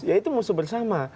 ya itu musuh bersama